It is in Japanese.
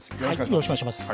よろしくお願いします。